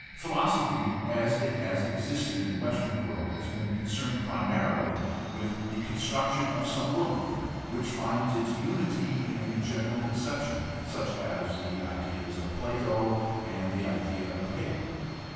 Philosophy as it has existed in the Western world has been concerned primarily with the con struction of some world view which finds its unity in a general conception such as the ideas of Plato and the idea of Hegel.